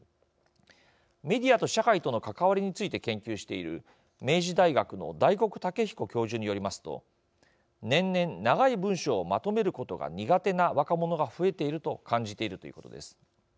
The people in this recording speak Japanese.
メディアと社会との関わりについて研究している明治大学の大黒岳彦教授によりますと年々、長い文章をまとめることが苦手な若者が増えていると感じているということです。